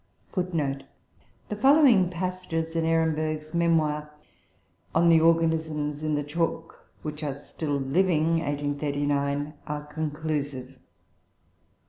[Footnote 5: The following passages in Ehrenberg's memoir on The Organisms in the Chalk which are still living (1839), are conclusive: "7.